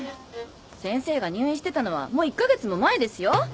先生が入院してたのはもう１カ月も前ですよ。